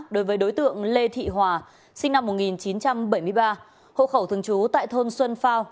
đối với đối tượng lê thị hòa sinh năm một nghìn chín trăm bảy mươi ba hộ khẩu thường trú tại thôn xuân phao